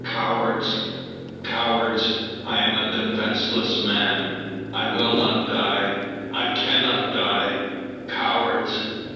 Cowards! cowards! I am a defenceless man!... I will not die ... I cannot die.... Cowards!"